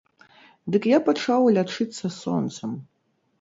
Дык я пачаў лячыцца сонцам.